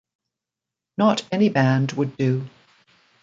Not any band would do.